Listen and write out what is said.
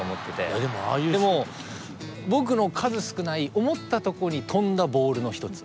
でも僕の数少ない思ったところに飛んだボールの一つ。